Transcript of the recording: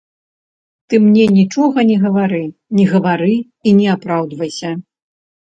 Ты мне нічога не гавары, не гавары і не апраўдвайся.